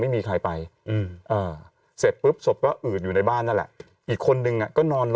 ไม่มีใครไปเสร็จปุ๊บศพก็อืดอยู่ในบ้านนั่นแหละอีกคนนึงก็นอนรอ